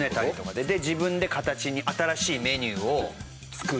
で自分で形に新しいメニューを作る。